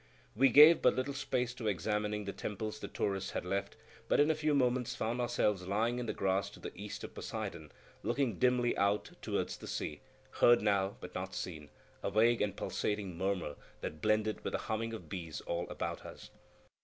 We gave but little space to examining the temples the tourists had left, but in a few moments found ourselves lying in the grass to the east of Poseidon, looking dimly out towards the sea, heard now, but not seen,—a vague and pulsating murmur that blended with the humming of bees all about us.